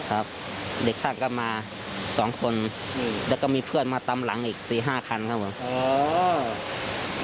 ครับเด็กข้างก็มาสองคนแล้วก็มีเพื่อนมาตามหลังอีกสี่ห้าคันครับผมอ๋อ